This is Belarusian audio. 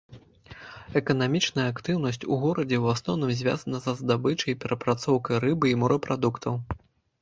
Эканамічная актыўнасць у горадзе ў асноўным звязаная з здабычай і перапрацоўкай рыбы і морапрадуктаў.